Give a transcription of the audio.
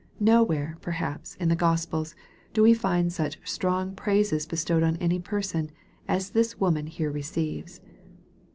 No where, perhaps, in the Gospels, do we find such strong praises bestowed on any person, as this woman here receives.